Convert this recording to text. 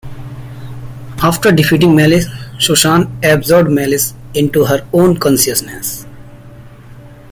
After defeating Malice, Susan absorbed Malice into her own consciousness.